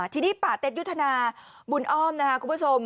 ทีนี้ป่าเต็ดยุทธนาบุญอ้อมนะคะคุณผู้ชม